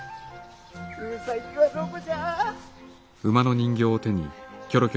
うさぎはどこじゃ？